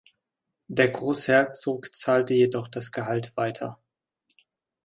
Der Großherzog zahlte jedoch das Gehalt weiter.